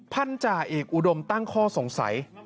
จ่าเอกอุดมตั้งข้อสงสัย